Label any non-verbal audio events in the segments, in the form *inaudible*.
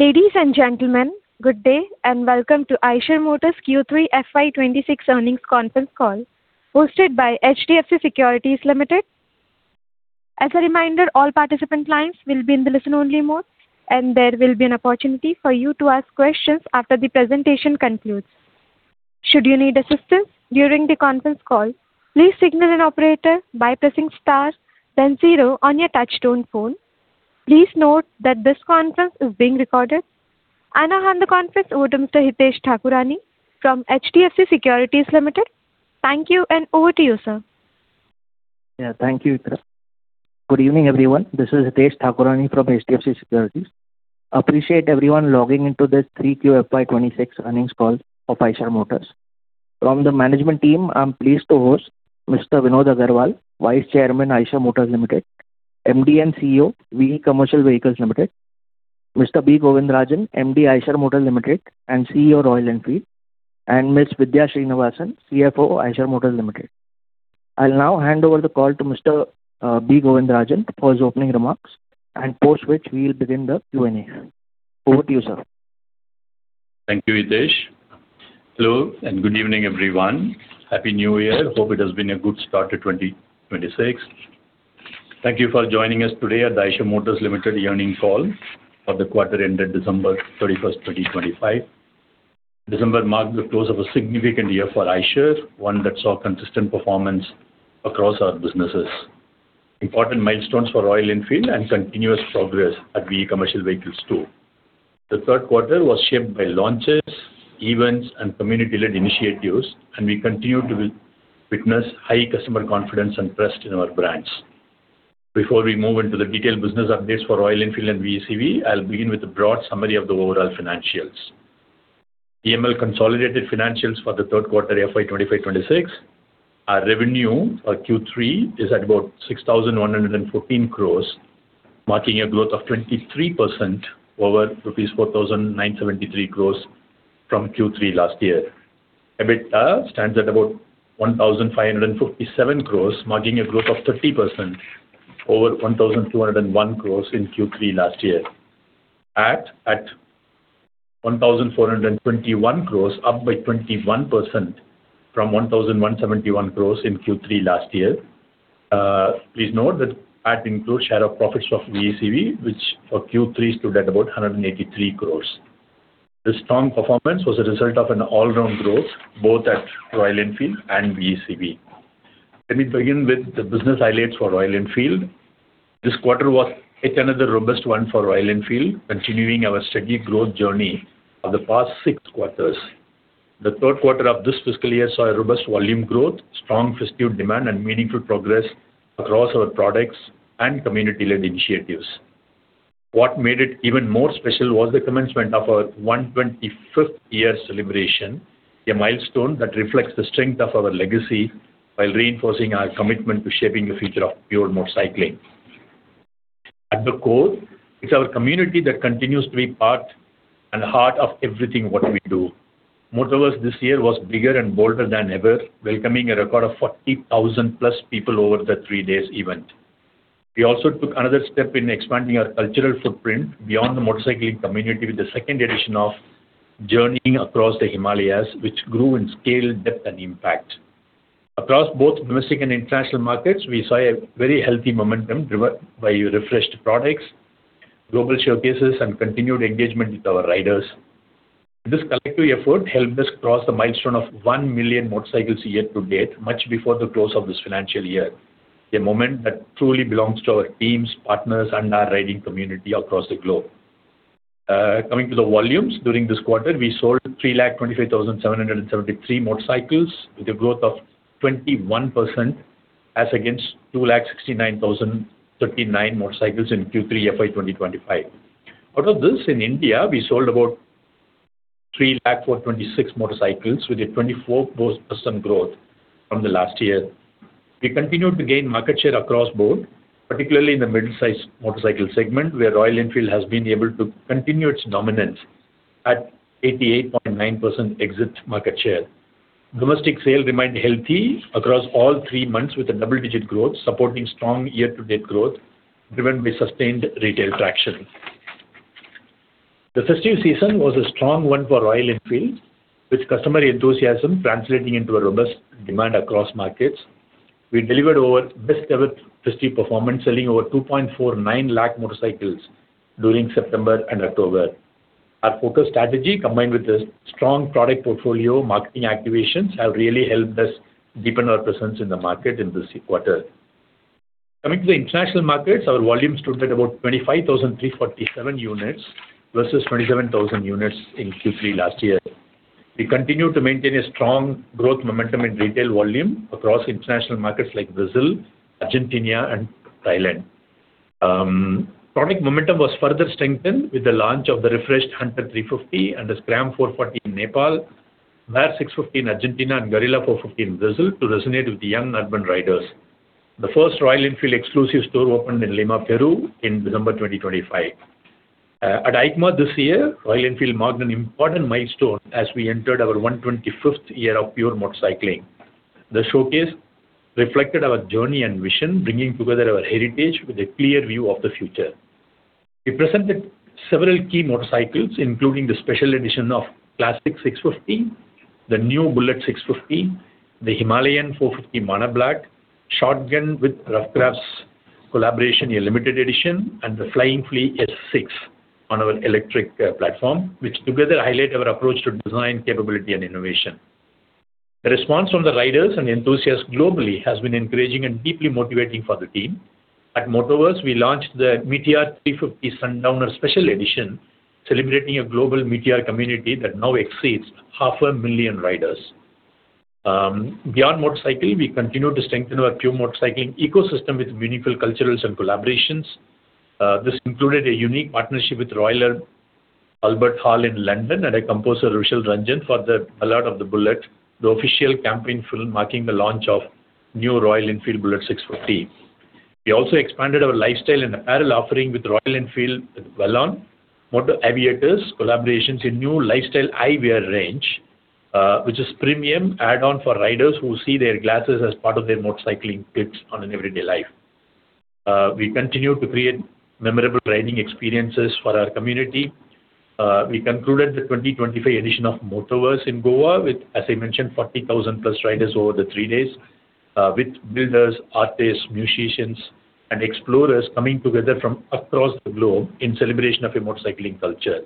Ladies and gentlemen, good day, and welcome to Eicher Motors Q3 FY 2026 Earnings Conference Call, hosted by HDFC Securities Limited. As a reminder, all participant lines will be in the listen-only mode, and there will be an opportunity for you to ask questions after the presentation concludes. Should you need assistance during the conference call, please signal an operator by pressing star then zero on your touchtone phone. Please note that this conference is being recorded. I hand the conference over to Hitesh Thakurani from HDFC Securities Limited. Thank you, and over to you, sir. Yeah. Thank you, Ikra. Good evening, everyone. This is Hitesh Thakurani from HDFC Securities. Appreciate everyone logging into this 3Q FY26 earnings call of Eicher Motors. From the management team, I'm pleased to host Mr. Vinod Aggarwal, Vice Chairman, Eicher Motors Limited, MD and CEO, VE Commercial Vehicles Limited; Mr. B. Govindarajan, MD, Eicher Motors Limited, and CEO, Royal Enfield; and Ms. Vidya Srinivasan, CFO, Eicher Motors Limited. I'll now hand over the call to Mr. B. Govindarajan, for his opening remarks, and post which we will begin the Q&A. Over to you, sir. Thank you, Hitesh. Hello, and good evening, everyone. Happy New Year. Hope it has been a good start to 2026. Thank you for joining us today at the Eicher Motors Limited earnings call for the quarter ended December 31st, 2025. December marked the close of a significant year for Eicher, one that saw consistent performance across our businesses, important milestones for Royal Enfield, and continuous progress at VE Commercial Vehicles, too. The third quarter was shaped by launches, events, and community-led initiatives, and we continue to witness high customer confidence and trust in our brands. Before we move into the detailed business updates for Royal Enfield and VECV, I'll begin with a broad summary of the overall financials. EML consolidated financials for the third quarter FY 2025-2026, our revenue for Q3 is at about 6,114 crore, marking a growth of 23% over rupees 4,973 crore from Q3 last year. EBITDA stands at about 1,557 crore, marking a growth of 30% over 1,201 crore in Q3 last year. At one 2,421 crores, up by 21% from 1,171 crores in Q3 last year. Please note that PAT includes share of profits from VECV, which for Q3 stood at about 183 crore. This strong performance was a result of an all-round growth, both at Royal Enfield and VECV. Let me begin with the business highlights for Royal Enfield. This quarter was yet another robust one for Royal Enfield, continuing our steady growth journey of the past six quarters. The third quarter of this fiscal year saw a robust volume growth, strong festive demand, and meaningful progress across our products and community-led initiatives. What made it even more special was the commencement of our 125th year celebration, a milestone that reflects the strength of our legacy while reinforcing our commitment to shaping the future of pure motorcycling. At the core, it's our community that continues to be part and heart of everything what we do. Motoverse this year was bigger and bolder than ever, welcoming a record of 40,000+ people over the three days event. We also took another step in expanding our cultural footprint beyond the motorcycling community, with the second edition of Journeying Across the Himalayas, which grew in scale, depth and impact. Across both domestic and international markets, we saw a very healthy momentum driven by refreshed products, global showcases, and continued engagement with our riders. This collective effort helped us cross the milestone of 1 million motorcycles year to date, much before the close of this financial year, a moment that truly belongs to our teams, partners, and our riding community across the globe. Coming to the volumes, during this quarter, we sold 325,773 motorcycles, with a growth of 21%, as against 269,039 motorcycles in Q3 FY 2025. Out of this, in India, we sold about 304,026 motorcycles, with a 24% growth from the last year. We continued to gain market share across board, particularly in the mid-sized motorcycle segment, where Royal Enfield has been able to continue its dominance at 88.9% exit market share. Domestic sale remained healthy across all three months with a double-digit growth, supporting strong year-to-date growth, driven by sustained retail traction. The festive season was a strong one for Royal Enfield, with customer enthusiasm translating into a robust demand across markets. We delivered over best ever festive performance, selling over 249,000 motorcycles during September and October. Our focused strategy, combined with a strong product portfolio, marketing activations, have really helped us deepen our presence in the market in this quarter. Coming to the international markets, our volumes stood at about 25,347 units versus 27,000 units in Q3 last year. We continued to maintain a strong growth momentum in retail volume across international markets like Brazil, Argentina, and Thailand. Product momentum was further strengthened with the launch of the refreshed Hunter 350 and the Scram 440 in Nepal, Bear 650 in Argentina, and Guerrilla 450 in Brazil to resonate with the young urban riders. The first Royal Enfield exclusive store opened in Lima, Peru, in December 2025. At EICMA this year, Royal Enfield marked an important milestone as we entered our 125th year of pure motorcycling. The showcase reflected our journey and vision, bringing together our heritage with a clear view of the future. We presented several key motorcycles, including the special edition of Classic 650, the new Bullet 650, the Himalayan 450 Hanle Black, Shotgun 650 with Rough Crafts collaboration, a limited edition, and the Flying Flea S6 on our electric platform, which together highlight our approach to design, capability, and innovation. The response from the riders and enthusiasts globally has been encouraging and deeply motivating for the team. At Motoverse, we launched the Meteor 350 Sundowner special edition, celebrating a global Meteor community that now exceeds 500,000 riders. Beyond motorcycle, we continue to strengthen our pure motorcycling ecosystem with meaningful cultures and collaborations. This included a unique partnership with Royal Albert Hall in London, and a composer, Rushil Ranjan, for The Allure of the Bullet, the official campaign film marking the launch of new Royal Enfield Bullet 650. We also expanded our lifestyle and apparel offering with Royal Enfield Vallon, Moto Aviators, collaborations in new lifestyle eyewear range, which is premium add-on for riders who see their glasses as part of their motorcycling kits on an everyday life. We continue to create memorable riding experiences for our community. We concluded the 2025 edition of Motoverse in Goa with, as I mentioned, 40,000+ riders over the three days, with builders, artists, musicians, and explorers coming together from across the globe in celebration of a motorcycling culture.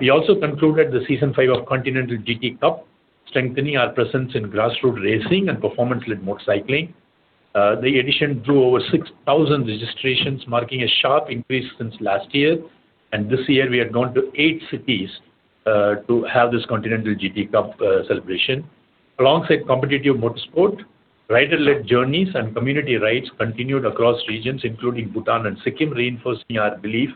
We also concluded the season five of Continental GT Cup, strengthening our presence in grassroots racing and performance-led motorcycling. The edition drew over 6,000 registrations, marking a sharp increase since last year, and this year we have gone to eight cities, to have this Continental GT Cup celebration. Alongside competitive motorsport, rider-led journeys and community rides continued across regions, including Bhutan and Sikkim, reinforcing our belief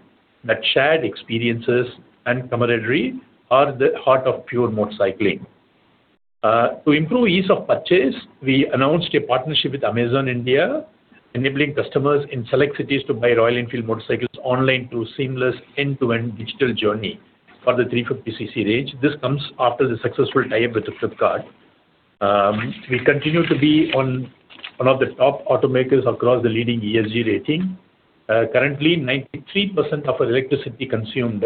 that shared experiences and camaraderie are the heart of pure motorcycling. To improve ease of purchase, we announced a partnership with Amazon India, enabling customers in select cities to buy Royal Enfield motorcycles online through seamless end-to-end digital journey for the 350 cc range. This comes after the successful tie-up with Flipkart. We continue to be one of the top automakers across the leading ESG ratings. Currently, 93% of our electricity consumed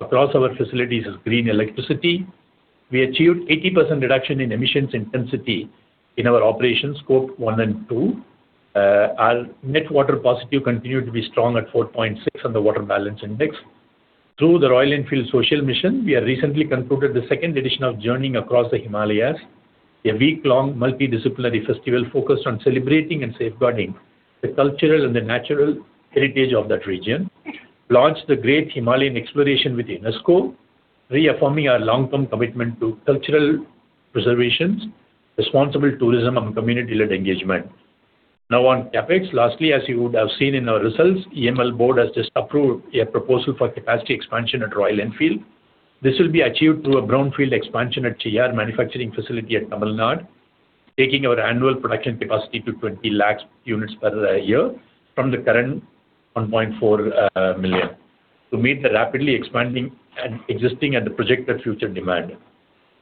across our facilities is green electricity. We achieved 80% reduction in emissions intensity in our operations, scope 1 and 2. Our net water positive continued to be strong at 4.6 on the water balance index. Through the Royal Enfield Social Mission, we have recently concluded the second edition of Journeying Across the Himalayas, a week-long multidisciplinary festival focused on celebrating and safeguarding the cultural and the natural heritage of that region. Launched the Great Himalayan Exploration with UNESCO, reaffirming our long-term commitment to cultural preservations, responsible tourism, and community-led engagement. Now on CapEx. Lastly, as you would have seen in our results, EML board has just approved a proposal for capacity expansion at Royal Enfield. This will be achieved through a brownfield expansion at Cheyyar manufacturing facility at Tamil Nadu, taking our annual production capacity to 2 million units per year from the current 1.4 million, to meet the rapidly expanding and existing and the projected future demand.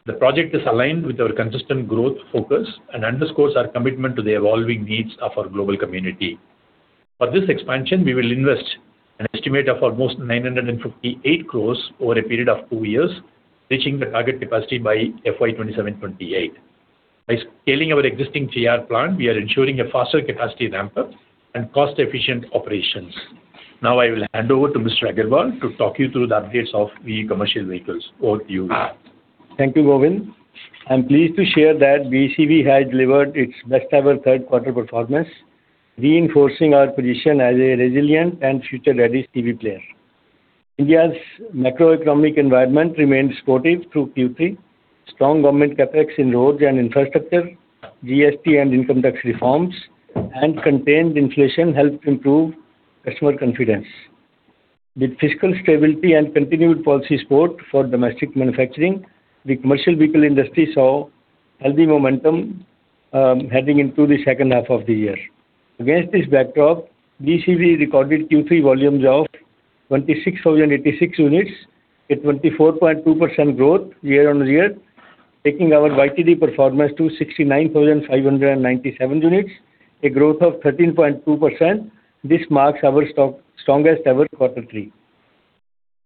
The project is aligned with our consistent growth focus and underscores our commitment to the evolving needs of our global community. For this expansion, we will invest an estimate of almost 958 crore over a period of two years, reaching the target capacity by FY 2027-2028. By scaling our existing TR plant, we are ensuring a faster capacity ramp-up and cost-efficient operations. Now I will hand over to Mr. Aggarwal to talk you through the updates of the commercial vehicles. Over to you. Thank you, Govin. I'm pleased to share that VECV has delivered its best ever third quarter performance, reinforcing our position as a resilient and future-ready CV player. India's macroeconomic environment remained supportive through Q3. Strong government CapEx in roads and infrastructure, GST and income tax reforms, and contained inflation helped improve customer confidence. With fiscal stability and continued policy support for domestic manufacturing, the commercial vehicle industry saw healthy momentum, heading into the second half of the year. Against this backdrop, VECV recorded Q3 volumes of 26,086 units, a 24.2% growth year-on-year, taking our YTD performance to 69,597 units, a growth of 13.2%. This marks our strongest ever quarter three.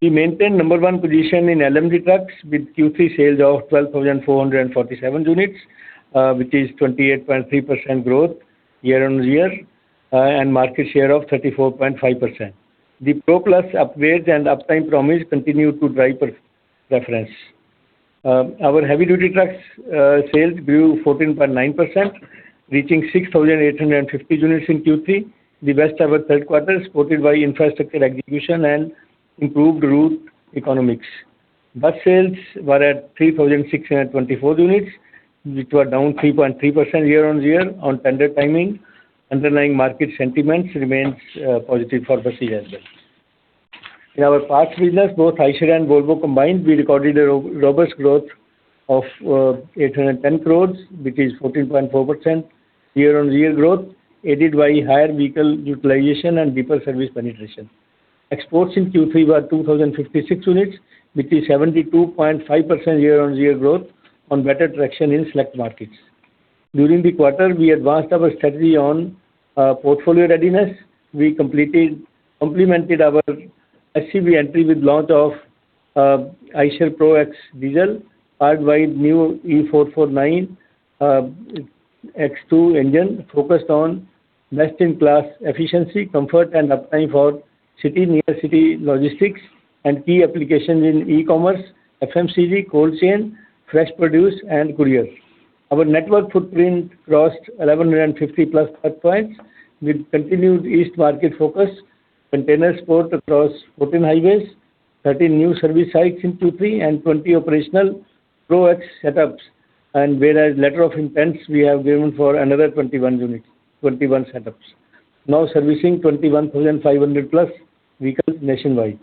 We maintain number one position in LMD trucks with Q3 sales of 12,447 units, which is 28.3% growth year-on-year, and market share of 34.5%. The Pro Plus upgrades and uptime promise continue to drive per reference. Our heavy-duty trucks sales grew 14.9%, reaching 6,850 units in Q3, the best ever third quarter, supported by infrastructure execution and improved route economics. Bus sales were at 3,624 units, which were down 3.3% year-on-year on tender timing. Underlying market sentiments remains positive for the CSM. In our parts business, both Eicher and Volvo combined, we recorded a robust growth of 810 crore, which is 14.4% year-on-year growth, aided by higher vehicle utilization and vehicle service penetration. Exports in Q3 were 2,056 units, which is 72.5% year-on-year growth on better traction in select markets. During the quarter, we advanced our strategy on portfolio readiness. We complemented our HCV entry with launch of Eicher Pro X diesel, worldwide new E449 X2 engine, focused on best-in-class efficiency, comfort, and uptime for city, near city logistics, and key applications in e-commerce, FMCG, cold chain, fresh produce, and courier. Our network footprint crossed 1,150+ touchpoints, with continued east market focus, container support across 14 highways, 13 new service sites in Q3, and 20 operational Pro X setups. Whereas letters of intent we have given for another 21 units, 21 setups, now servicing 21,500+ vehicles nationwide.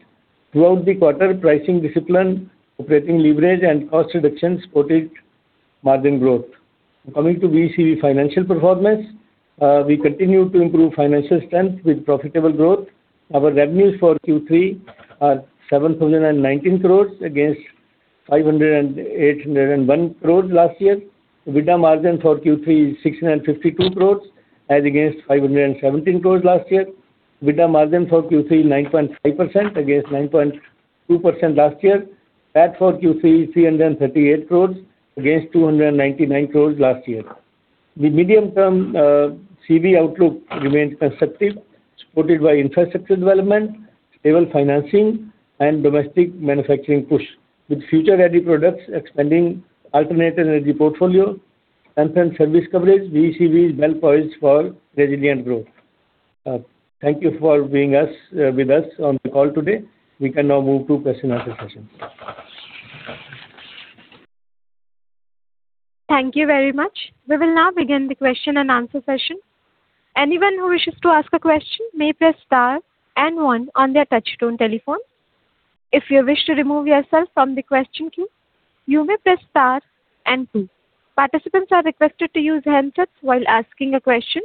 Throughout the quarter, pricing discipline, operating leverage, and cost reductions supported margin growth. Coming to VECV financial performance, we continue to improve financial strength with profitable growth. Our revenues for Q3 are 7,019 crores against 5,801 crores last year. EBITDA for Q3 is 652 crores, as against 517 crores last year. EBITDA margin for Q3, 9.5%, against 9.2% last year. PAT for Q3, 338 crores, against 299 crores last year. The medium-term CV outlook remains constructive, supported by infrastructure development, stable financing, and domestic manufacturing push. With future-ready products, expanding alternative energy portfolio and then service coverage, VEC is well poised for resilient growth. Thank you for being us, with us on the call today. We can now move to question and answer session. Thank you very much. We will now begin the question and answer session. Anyone who wishes to ask a question may press star and one on their touchtone telephone. If you wish to remove yourself from the question queue, you may press star and two. Participants are requested to use handsets while asking a question.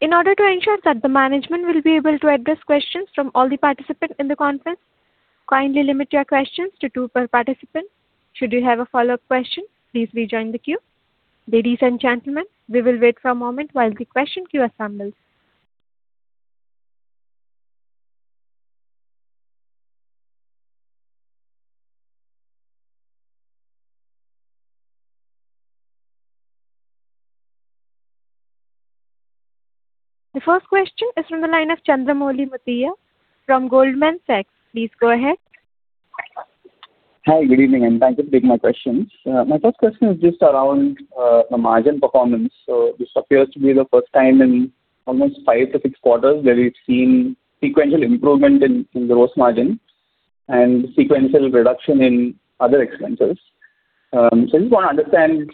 In order to ensure that the management will be able to address questions from all the participants in the conference, kindly limit your questions to two per participant. Should you have a follow-up question, please rejoin the queue. Ladies and gentlemen, we will wait for a moment while the question queue assembles. The first question is from the line of Chandramouli Muthiah from Goldman Sachs. Please go ahead. Hi, good evening, and thank you for taking my questions. My first question is just around the margin performance. This appears to be the first time in almost five to six quarters, where we've seen sequential improvement in gross margin and sequential reduction in other expenses. I just want to understand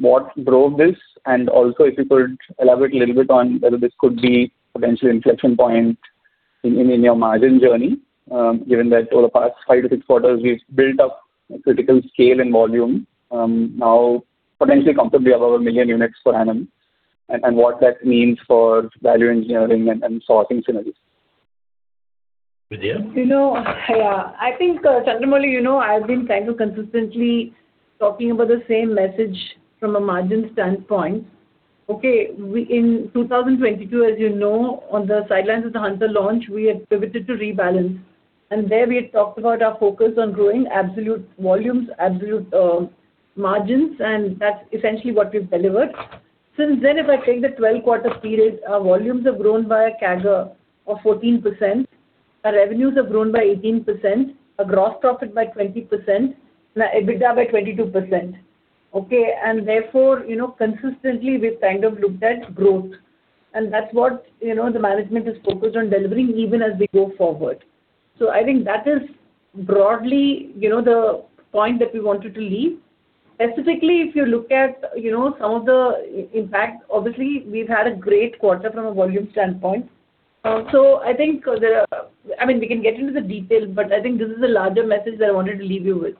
what drove this, and also if you could elaborate a little bit on whether this could be a potential inflection point in your margin journey, given that over the past five to six quarters, we've built up a critical scale in volume, now potentially comfortably above 1 million units per annum, and what that means for value engineering and sourcing synergies. Vidhya? You know, yeah, I think, Chandramouli, you know, I've been kind of consistently talking about the same message from a margin standpoint. Okay, we in 2022, as you know, on the sidelines of the Hunter launch, we had pivoted to rebalance, and there we had talked about our focus on growing absolute volumes, absolute margins, and that's essentially what we've delivered. Since then, if I take the 12-quarter period, our volumes have grown by a CAGR of 14%, our revenues have grown by 18%, our gross profit by 20%, and our EBITDA by 22%. Okay, and therefore, you know, consistently, we've kind of looked at growth, and that's what, you know, the management is focused on delivering even as we go forward. So I think that is broadly, you know, the point that we wanted to leave. Specifically, if you look at, you know, some of the impact, obviously, we've had a great quarter from a volume standpoint. So I think there are... I mean, we can get into the details, but I think this is a larger message that I wanted to leave you with.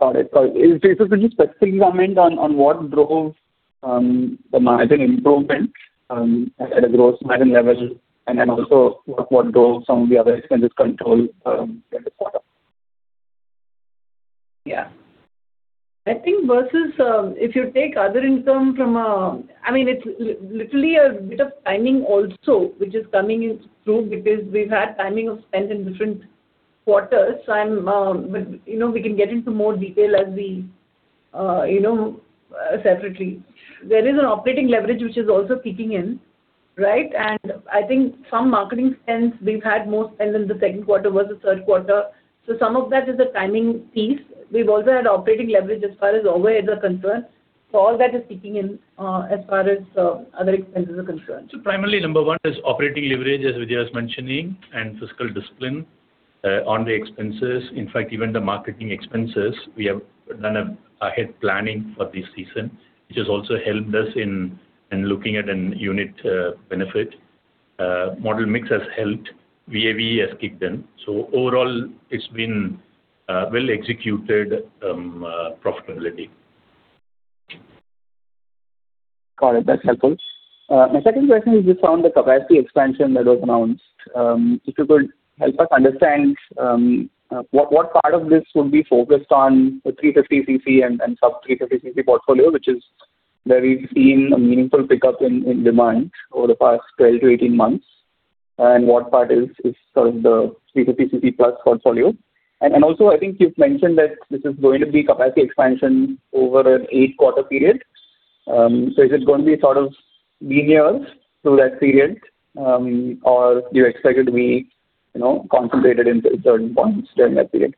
Yep. Got it. Got it. Is this specifically comment on, on what drove, the margin improvement, at a gross margin level, and then also what, what drove some of the other expenses control, in this quarter? Yeah. I think versus, if you take other income from a—I mean, it's literally a bit of timing also, which is coming in through, because we've had timing of spend in different quarters. So I'm, but, you know, we can get into more detail as we, you know, separately. There is an operating leverage, which is also kicking in, right? And I think some marketing spends, we've had more spend in the second quarter versus third quarter. So some of that is a timing piece. We've also had operating leverage as far as overheads are concerned. So all that is kicking in, as far as, other expenses are concerned. Primarily, number one is operating leverage, as Vidya was mentioning, and fiscal discipline on the expenses. In fact, even the marketing expenses, we have done ahead planning for this season, which has also helped us in looking at a unit benefit. Model mix has helped. VAVE has kicked in. So overall, it's been well executed profitability. Got it. That's helpful. My second question is just on the capacity expansion that was announced. If you could help us understand what part of this would be focused on the 350 cc and sub-350 cc portfolio, which is where we've seen a meaningful pickup in demand over the past 12-18 months. And what part is sort of the 350 cc plus portfolio? And also, I think you've mentioned that this is going to be capacity expansion over an eight quarter period. So is it going to be sort of linear through that period, or do you expect it to be, you know, concentrated into certain points during that period?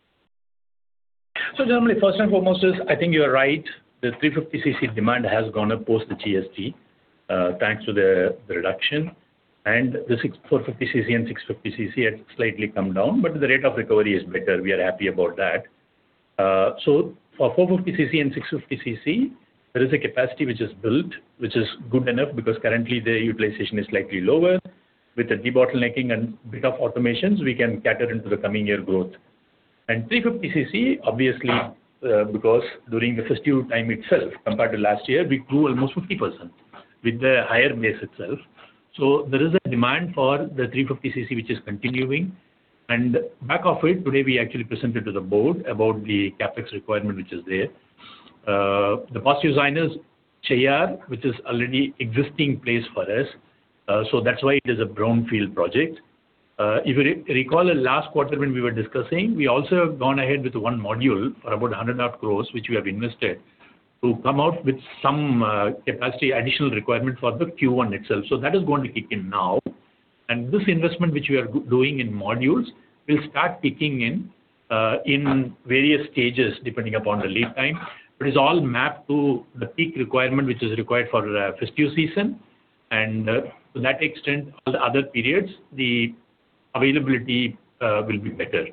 So generally, first and foremost is, I think you are right. The 350 cc demand has gone up post the GST, thanks to the reduction. And the 450 cc and 650 cc had slightly come down, but the rate of recovery is better. We are happy about that. So for 450 cc and 650 cc, there is a capacity which is built, which is good enough, because currently the utilization is slightly lower. With the debottlenecking and bit of automations, we can cater into the coming year growth. And 350 cc, obviously, because during the festive time itself, compared to last year, we grew almost 50% with the higher base itself. So there is a demand for the 350 cc, which is continuing. Back of it, today, we actually presented to the board about the CapEx requirement, which is there. The first design is Cheyyar, which is already existing place for us, so that's why it is a brownfield project. If you recall in last quarter when we were discussing, we also have gone ahead with one module for about 100 crore, which we have invested, to come out with some, capacity, additional requirement for the Q1 itself. So that is going to kick in now. And this investment, which we are doing in modules, will start kicking in, in various stages, depending upon the lead time. But it's all mapped to the peak requirement, which is required for the festive season. To that extent, all the other periods, the availability, will be better.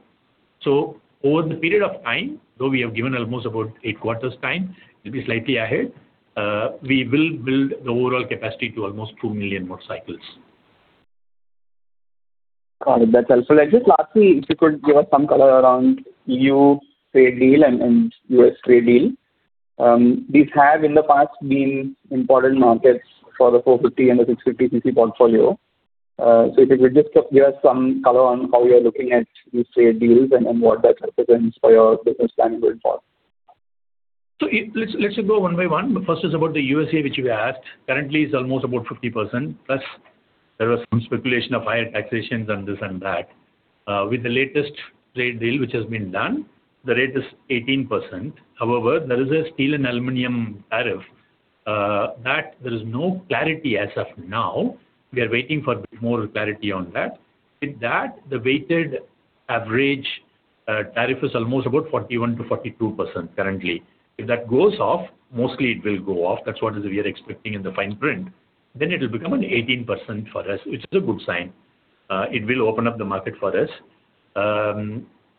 So over the period of time, though we have given almost about eight quarters time, it'll be slightly ahead, we will build the overall capacity to almost 2 million motorcycles. Got it. That's helpful. I guess, lastly, if you could give us some color around E.U. trade deal and U.S. trade deal. These have in the past been important markets for the 450 and the 650 cc portfolio. So if you could just give us some color on how you are looking at these trade deals and what that represents for your business standpoint for. So, let's go one by one. First is about the U.S., which you asked. Currently, it's almost about 50%, plus there was some speculation of higher taxations on this and that. With the latest trade deal which has been done, the rate is 18%. However, there is a steel and aluminum tariff that there is no clarity as of now. We are waiting for bit more clarity on that. With that, the weighted average tariff is almost about 41%-42% currently. If that goes off, mostly it will go off, that's what is we are expecting in the fine print, then it will become an 18% for us, which is a good sign. It will open up the market for us.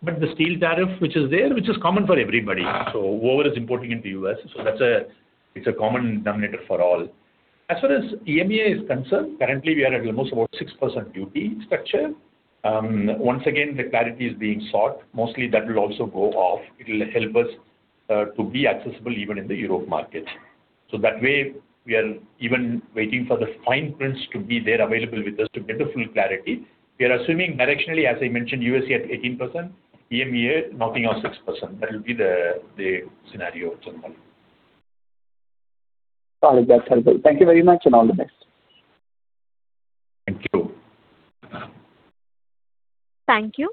But the steel tariff, which is there, which is common for everybody, so whoever is importing into U.S., so that's a, it's a common denominator for all. As far as EMEA is concerned, currently we are at almost about 6% duty structure. Once again, the clarity is being sought. Mostly, that will also go off. It'll help us, to be accessible even in the Europe market. So that way, we are even waiting for the fine prints to be there available with us to get the full clarity. We are assuming directionally, as I mentioned, USA at 18%, EMEA knocking on 6%. That will be the scenario going on. Got it. That's helpful. Thank you very much, and all the best. Thank you. Thank you.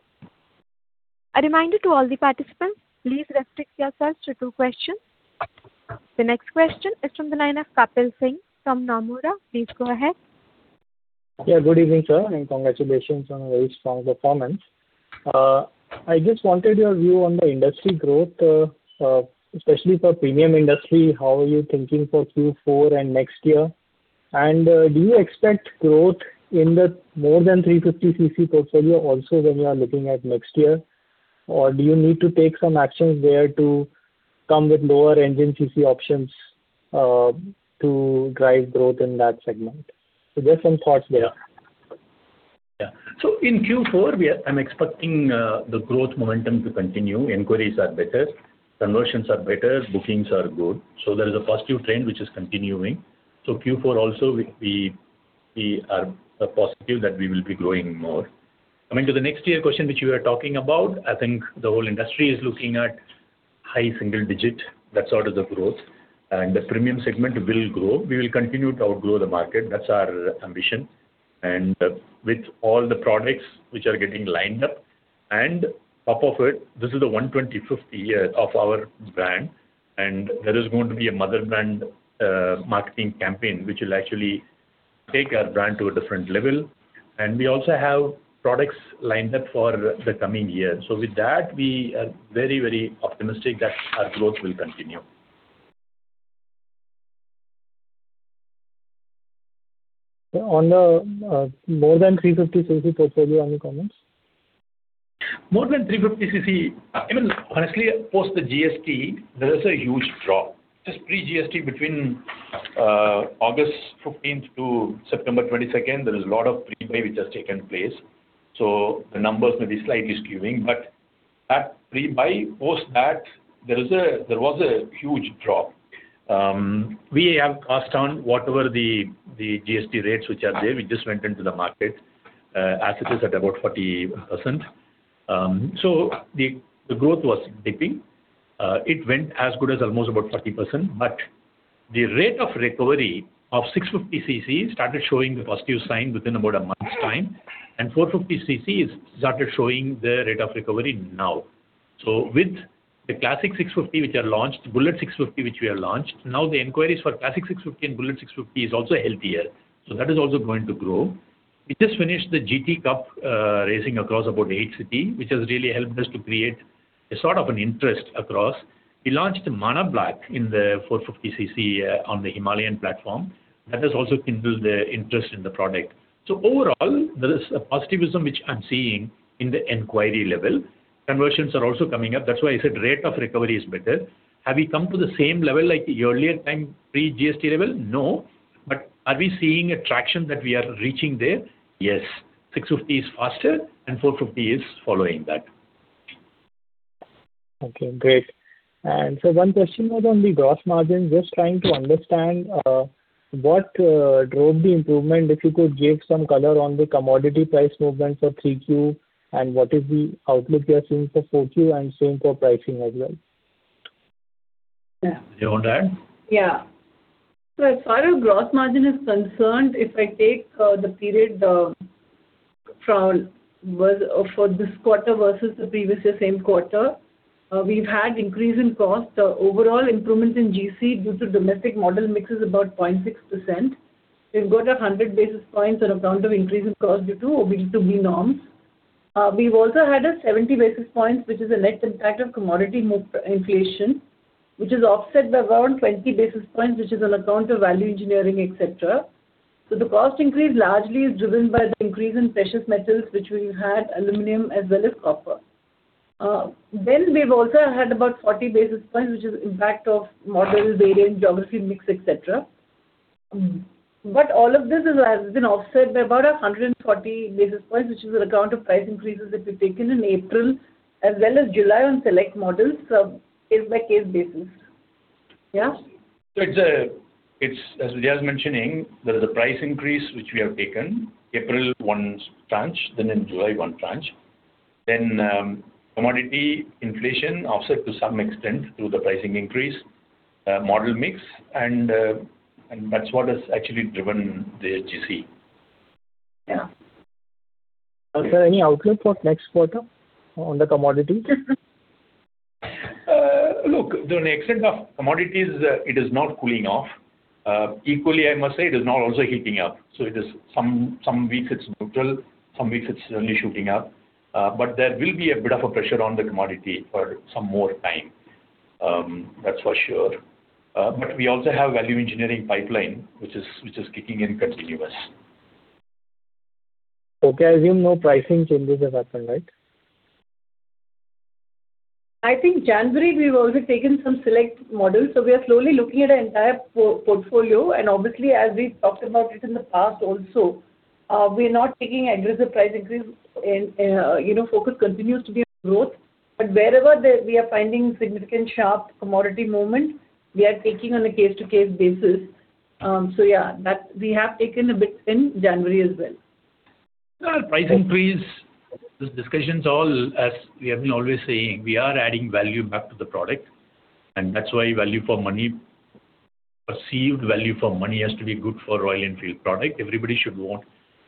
A reminder to all the participants, please restrict yourselves to two questions. The next question is from the line of Kapil Singh from Nomura. Please go ahead. Yeah, good evening, sir, and congratulations on a very strong performance. I just wanted your view on the industry growth, especially for premium industry. How are you thinking for Q4 and next year? And do you expect growth in the more than 350 cc portfolio also when you are looking at next year? Or do you need to take some actions there to come with lower engine cc options to drive growth in that segment? So just some thoughts there. Yeah. So in Q4, we are. I'm expecting the growth momentum to continue. Queries are better, conversions are better, bookings are good. So there is a positive trend which is continuing. So Q4 also, we are positive that we will be growing more. Coming to the next year question, which you are talking about, I think the whole industry is looking at high single digit, that sort of the growth. And the premium segment will grow. We will continue to outgrow the market. That's our ambition. And with all the products which are getting lined up, and top of it, this is the 125th year of our brand, and there is going to be a mother brand marketing campaign, which will actually take our brand to a different level. And we also have products lined up for the coming year. So with that, we are very, very optimistic that our growth will continue. On the more than 350 cc portfolio, any comments? More than 350 cc, even honestly, post the GST, there is a huge drop. Just pre-GST between August 15th to September 22nd, there is a lot of prepay which has taken place. So the numbers may be slightly skewing, but at pre, by post that, there is a, there was a huge drop. We have cost down whatever the, the GST rates which are there, we just went into the market as it is at about 40%. So the, the growth was dipping. It went as good as almost about 40%, but the rate of recovery of 650 cc started showing the positive sign within about a month's time, and 450 cc has started showing the rate of recovery now. So with the Classic 650, which are launched, Bullet 650, which we have launched, now the inquiries for Classic 650 and Bullet 650 is also healthier. So that is also going to grow. We just finished the GT Cup, racing across about eight cities, which has really helped us to create a sort of an interest across. We launched the Hanle Black in the 450 cc, on the Himalayan platform. That has also induced the interest in the product. So overall, there is a positivism which I'm seeing in the inquiry level. Conversions are also coming up. That's why I said rate of recovery is better. Have we come to the same level, like the earlier time, pre-GST level? No. But are we seeing a traction that we are reaching there? Yes. 650 is faster and 450 is following that. Okay, great. One question was on the gross margin. Just trying to understand what drove the improvement. If you could give some color on the commodity price movement for 3Q, and what is the outlook you are seeing for 4Q and same for pricing as well? You want to add? Yeah. So as far as gross margin is concerned, if I take the period from for this quarter versus the previous year same quarter, we've had increase in cost. So overall improvements in GC due to domestic model mix is about 0.6%. We've got 100 basis points on account of increase in cost due to owing to B norms. We've also had 70 basis points, which is a net impact of commodity inflation, which is offset by around 20 basis points, which is on account of value engineering, et cetera. So the cost increase largely is driven by the increase in precious metals, which we had aluminum as well as copper. Then we've also had about 40 basis points, which is impact of model, variant, geography, mix, et cetera. But all of this is, has been offset by about 140 basis points, which is on account of price increases that we've taken in April as well as July on select models, on case-by-case basis. Yeah? So it's, it's as Vidhya is mentioning, there is a price increase, which we have taken. April, one tranche, then in July, one tranche. Then, commodity inflation offset to some extent through the pricing increase, model mix, and, and that's what has actually driven the GC. Yeah. Any outlook for next quarter on the commodity? Look, to an extent of commodities, it is not cooling off. Equally, I must say, it is not also heating up. So it is some weeks it's neutral, some weeks it's really shooting up. But there will be a bit of a pressure on the commodity for some more time. That's for sure. But we also have value engineering pipeline, which is kicking in continuous. Okay. I assume no pricing changes have happened, right? I think January, we've also taken some select models, so we are slowly looking at our entire portfolio. And obviously, as we've talked about it in the past also, we are not taking aggressive price increase and, you know, focus continues to be on growth. But wherever there we are finding significant sharp commodity movement, we are taking on a case-to-case basis. So yeah, that we have taken a bit in January as well. Price increase, the discussions all, as we have been always saying, we are adding value back to the product, and that's why value for money, perceived value for money has to be good for Royal Enfield product. Everybody should want,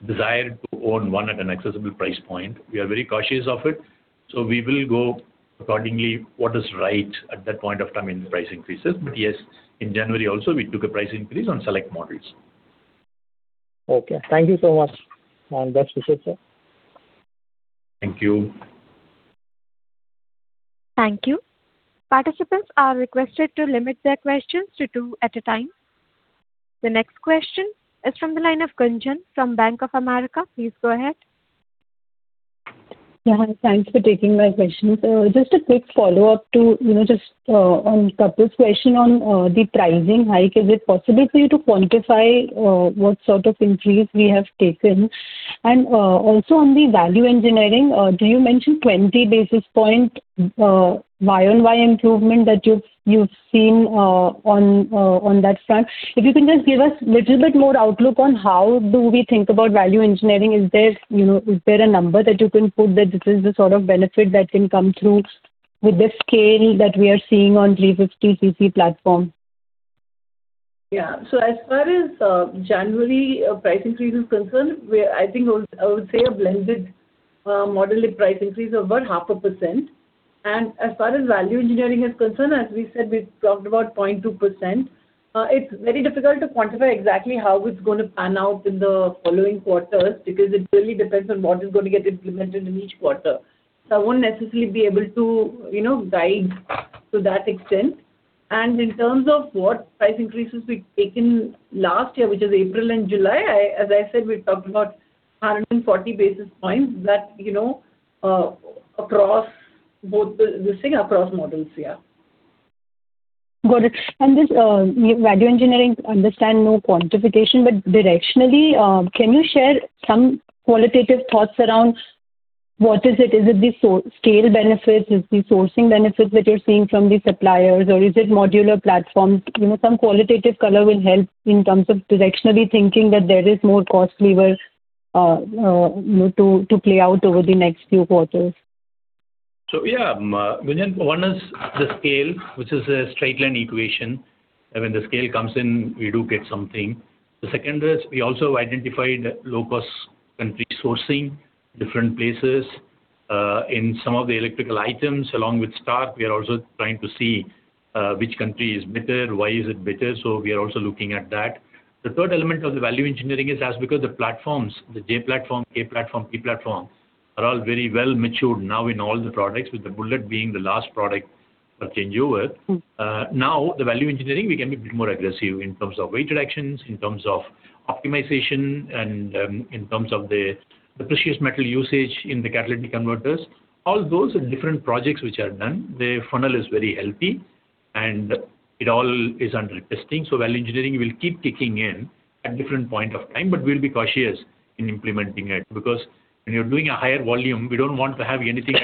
desire to own one at an accessible price point. We are very cautious of it, so we will go accordingly, what is right at that point of time in price increases. But yes, in January also, we took a price increase on select models. Okay. Thank you so much, and best wishes, sir. Thank you. Thank you. Participants are requested to limit their questions to two at a time. The next question is from the line of Gunjan from Bank of America. Please go ahead. Yeah, hi. Thanks for taking my question. Just a quick follow-up to, you know, just on Kapil's question on the pricing hike. Is it possible for you to quantify what sort of increase we have taken? And also on the value engineering, did you mention 20 basis points year-on-year improvement that you've seen on that front? If you can just give us little bit more outlook on how do we think about value engineering. Is there, you know, is there a number that you can put that this is the sort of benefit that can come through with the scale that we are seeing on 350 cc platform? Yeah. So as far as January price increase is concerned, we... I think I would, I would say a blended model in price increase of about 0.5%. And as far as value engineering is concerned, as we said, we've talked about 0.2%. It's very difficult to quantify exactly how it's going to pan out in the following quarters, because it really depends on what is going to get implemented in each quarter. So I wouldn't necessarily be able to, you know, guide to that extent. And in terms of what price increases we've taken last year, which is April and July, as I said, we've talked about 140 basis points that, you know, across both the, the thing across models, yeah.... Got it. And this value engineering, understand no quantification, but directionally, can you share some qualitative thoughts around what is it? Is it the scale benefits? Is the sourcing benefits that you're seeing from the suppliers, or is it modular platforms? You know, some qualitative color will help in terms of directionally thinking that there is more cost lever, you know, to play out over the next few quarters. So, yeah, Gunjan, one is the scale, which is a straight line equation. I mean, the scale comes in, we do get something. The second is, we also identified low-cost country sourcing, different places, in some of the electrical items. Along with stock, we are also trying to see, which country is better, why is it better, so we are also looking at that. The third element of the value engineering is as because the platforms, the J platform, K platform, P platform, are all very well matured now in all the products, with the Bullet being the last product I'll change over. Now, the value engineering, we can be a bit more aggressive in terms of weight reductions, in terms of optimization, and in terms of the precious metal usage in the catalytic converters. All those are different projects which are done. The funnel is very healthy, and it all is under testing. So value engineering will keep kicking in at different point of time, but we'll be cautious in implementing it. Because when you're doing a higher volume, we don't want to have anything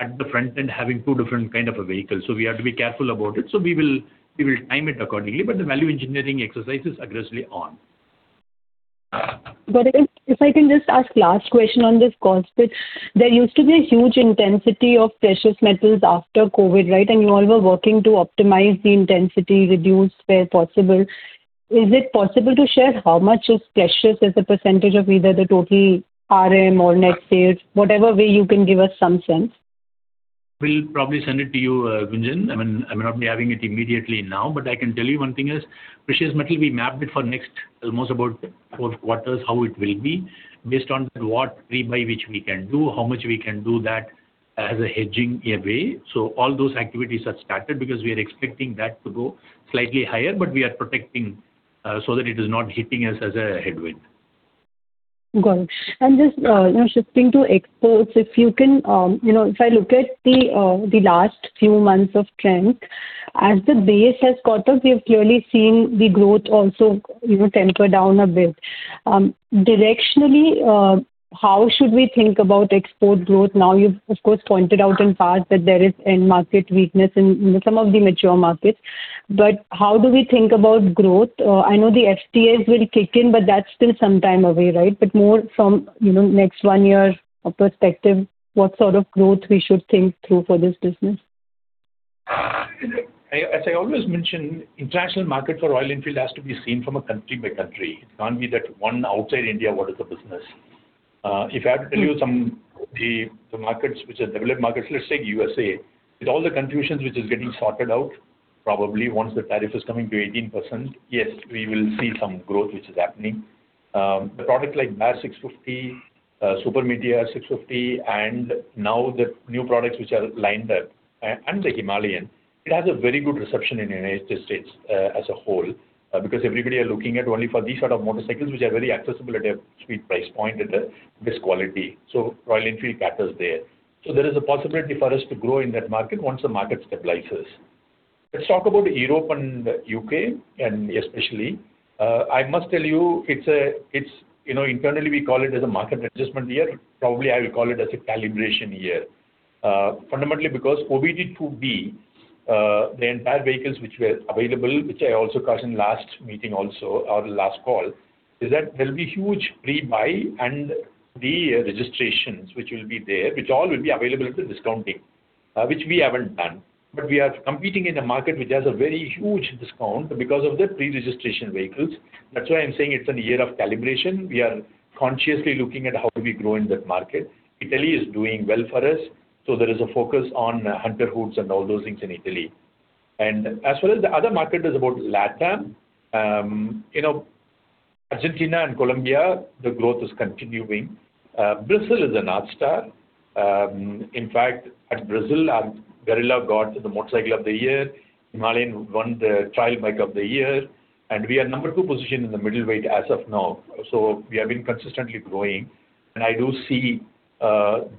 at the front end, having two different kind of a vehicle. So we have to be careful about it. So we will, we will time it accordingly, but the value engineering exercise is aggressively on. Got it. If I can justask last question on this cost bit. There used to be a huge intensity of precious metals after COVID, right? And you all were working to optimize the intensity, reduce where possible. Is it possible to share how much is precious as a percentage of either the total RM or net sales? Whatever way you can give us some sense. We'll probably send it to you, Gunjan. I mean, I may not be having it immediately now, but I can tell you one thing is, precious metal, we mapped it for next, almost about four quarters, how it will be, based on what pre-buy which we can do, how much we can do that as a hedging away. So all those activities are started because we are expecting that to go slightly higher, but we are protecting, so that it is not hitting us as a headwind. Got it. And just now shifting to exports, if you can, you know, if I look at the last few months of trend, as the base has caught up, we have clearly seen the growth also, you know, temper down a bit. Directionally, how should we think about export growth? Now, you've of course pointed out in past that there is end market weakness in some of the mature markets. But how do we think about growth? I know the FTA is really kick in, but that's still some time away, right? But more from, you know, next one year perspective, what sort of growth we should think through for this business? As I always mention, international market for Royal Enfield has to be seen from a country by country. It can't be that one outside India, what is the business? If I have to tell you some, the markets which are developed markets, let's take USA. With all the confusions which is getting sorted out, probably once the tariff is coming to 18%, yes, we will see some growth, which is happening. The product like Bear 650, Super Meteor 650, and now the new products which are lined up, and the Himalayan, it has a very good reception in United States, as a whole. Because everybody are looking at only for these sort of motorcycles, which are very accessible at a sweet price point and the, this quality. So Royal Enfield factors there. So there is a possibility for us to grow in that market once the market stabilizes. Let's talk about Europe and U.K., and especially. I must tell you, it's—it's, you know, internally, we call it as a market adjustment year. Probably, I will call it as a calibration year. Fundamentally, because OBD-IIB, the entire vehicles which were available, which I also caught in last meeting also, or the last call, is that there will be huge pre-buy and the registrations which will be there, which all will be available at the discounting, which we haven't done. But we are competing in a market which has a very huge discount because of the pre-registration vehicles. That's why I'm saying it's an year of calibration. We are consciously looking at how do we grow in that market. Italy is doing well for us, so there is a focus on Hunterhood and all those things in Italy. As well as the other market is about Latam. You know, Argentina and Colombia, the growth is continuing. Brazil is a north star. In fact, in Brazil, our Guerrilla got the Motorcycle of the Year. Himalayan won the Trail Bike of the Year, and we are number two position in the middleweight as of now. So we have been consistently growing, and I do see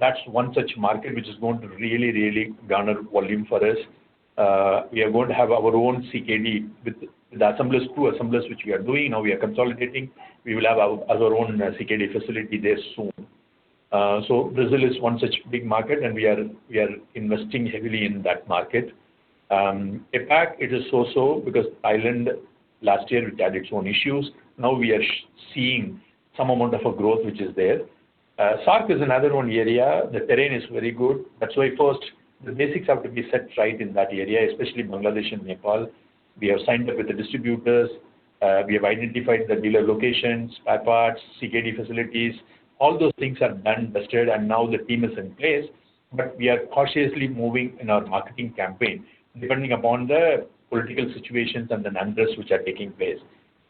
that's one such market which is going to really, really garner volume for us. We are going to have our own CKD with the assemblers, two assemblers, which we are doing. Now, we are consolidating. We will have our own CKD facility there soon. So Brazil is one such big market, and we are, we are investing heavily in that market. APAC, it is so-so because Ireland last year, it had its own issues. Now we are seeing some amount of a growth, which is there. SAARC is another one area. The terrain is very good. That's why first, the basics have to be set right in that area, especially Bangladesh and Nepal. We have signed up with the distributors, we have identified the dealer locations, spare parts, CKD facilities, all those things are done, tested, and now the team is in place. But we are cautiously moving in our marketing campaign, depending upon the political situations and the numbers which are taking place.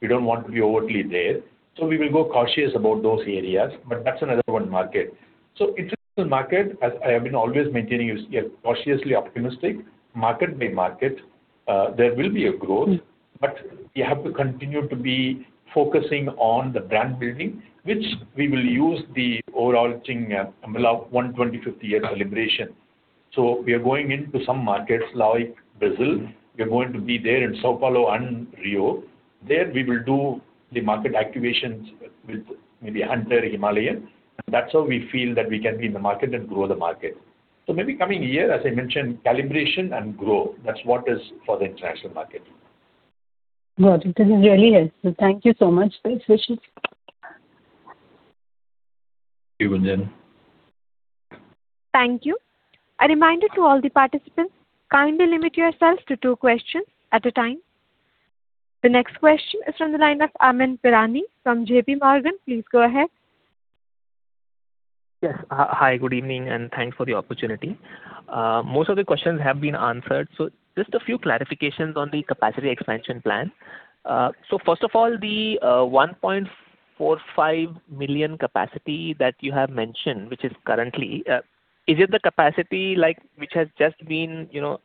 We don't want to be overly there, so we will go cautious about those areas, but that's another one market. So international market, as I have been always maintaining, is cautiously optimistic. Market by market, there will be a growth, but we have to continue to be focusing on the brand building, which we will use the overarching, umbrella 125-year celebration. So we are going into some markets like Brazil. We are going to be there in São Paulo and Rio. There we will do the market activations with maybe Hunter Himalayan. That's how we feel that we can be in the market and grow the market. So maybe coming year, as I mentioned, calibration and grow. That's what is for the international market. Got it. This is really helpful. Thank you so much. *audio distortion* Thank you. A reminder to all the participants, kindly limit yourselves to two questions at a time. The next question is from the line of Amyn Pirani from J.P. Morgan. Please go ahead. Yes. Hi, good evening, and thanks for the opportunity. Most of the questions have been answered, so just a few clarifications on the capacity expansion plan. So first of all, the 1.45 million capacity that you have mentioned, which is currently, is it the capacity like which has just been, you know,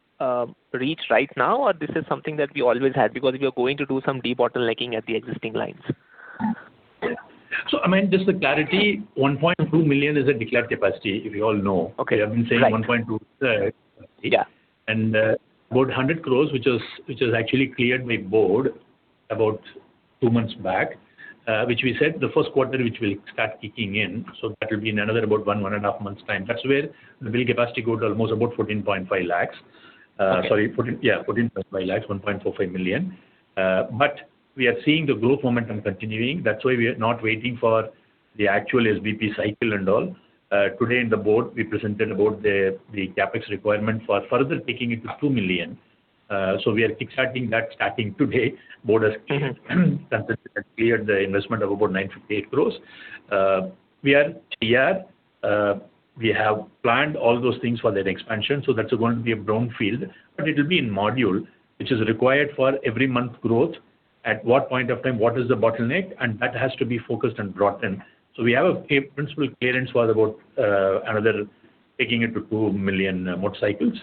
reached right now, or this is something that we always had? Because we are going to do some debottlenecking at the existing lines. Amyn, just the clarity, 1.2 million is a declared capacity, if you all know. Okay. We have been saying 1.2- Yeah. About 100 crores, which has actually cleared my board about two months back, which we said the first quarter, which will start kicking in. So that will be in another about one, one and a half months time. That's where the build capacity goes to almost about 14.5 lakhs. Okay. Sorry, 14.5 lakhs, 1.45 million. But we are seeing the growth momentum continuing. That's why we are not waiting for the actual SVP cycle and all. Today in the board, we presented about the, the CapEx requirement for further taking it to 2 million. So we are kick-starting that starting today. Board has clear the investment of about 958 crores. We have planned all those things for that expansion, so that's going to be a brownfield. But it will be in module, which is required for every month growth, at what point of time, what is the bottleneck, and that has to be focused and brought in. So we have a principle clearance for about another taking it to 2 million motorcycles.